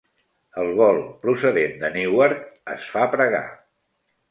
El vol procedent de Newark es fa pregar.